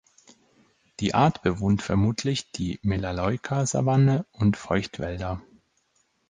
Die Art bewohnt vermutlich die Melaleuca-Savanne und Feuchtwälder.